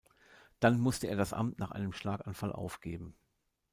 Dann musste er das Amt nach einem Schlaganfall aufgeben.